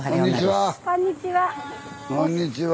こんにちは。